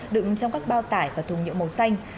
đựng trong các bao tải và thùng nhựa màu xanh